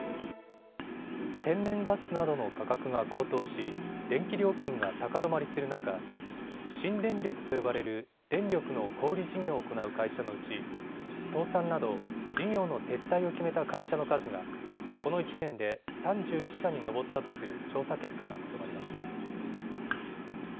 天然ガスなどの価格が高騰し電気料金が高止まりする中、新電力と呼ばれる電力の小売り事業を行う会社のうち倒産など事業の撤退を決めた会社の数がこの１年で３１社に上ったとする調査結果がまとまりました。